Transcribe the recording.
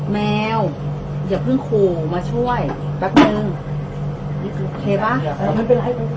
แมวอย่าเพิ่งขู่มาช่วยแป๊บนึงโอเคป่ะไม่เป็นไร